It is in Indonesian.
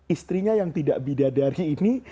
istrinya yang tidak bidadari ini